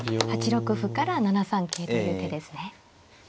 ８六歩から７三桂という手ですね。